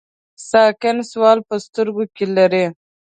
ساکن سوال په سترګو کې لري.